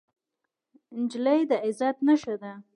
نجلۍ د عزت نښه ده.